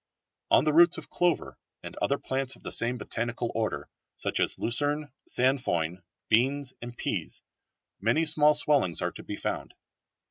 On the roots of clover, and other plants of the same botanical order, such as lucerne, sainfoin, beans and peas, many small swellings are to be found.